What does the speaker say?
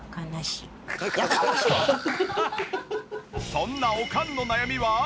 そんなおかんの悩みは。